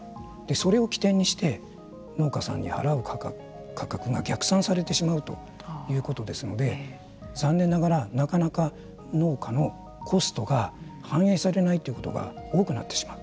それを起点にして、農家さんに払う価格が逆算されてしまうということですので残念ながら、なかなか農家のコストが反映されないということが大きくなってしまう。